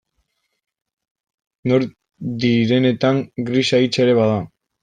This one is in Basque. Nor direnetan grisa hitsa ere bada.